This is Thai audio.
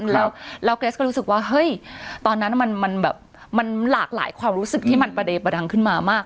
แล้วเกรสก็รู้สึกว่าเฮ้ยตอนนั้นมันแบบมันหลากหลายความรู้สึกที่มันประเดประดังขึ้นมามาก